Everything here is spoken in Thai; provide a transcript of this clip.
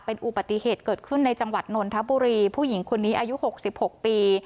เป็นอุบัติเหตุเกิดขึ้นในจังหวัดนนทบุรีผู้หญิงคนนี้อายุ๖๖ปี